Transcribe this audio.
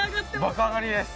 爆上がりです。